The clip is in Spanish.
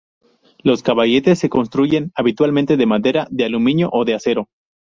Los caballetes se construyen habitualmente de madera, de aluminio o acero.